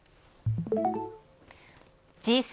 Ｇ７